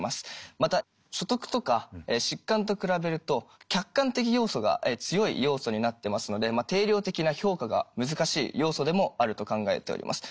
また所得とか疾患と比べると客観的要素が強い要素になってますので定量的な評価が難しい要素でもあると考えております。